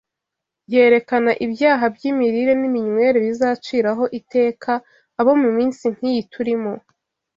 yerekana ibyaha by’imirire n’iminywere bizaciraho iteka abo mu minsi nk’iyi turimo